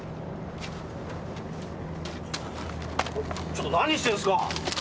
ちょっと何してんすか！？